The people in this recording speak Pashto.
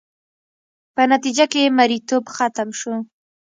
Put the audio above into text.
په نتیجه کې یې مریتوب ختم شو.